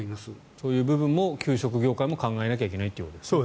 そういう部分も給食業界も考えなきゃいけないということですね。